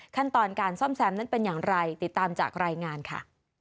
ขั้นตอนการซ่อมแซมนั้นเป็นอย่างไรติดตามจากรายงานค่ะ